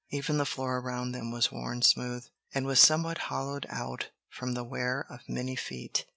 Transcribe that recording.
Even the floor around them was worn smooth, and was somewhat hollowed out from the wear of many feet.